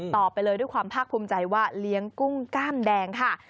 ไปเลยด้วยความภาคภูมิใจว่าเลี้ยงกุ้งกล้ามแดงค่ะ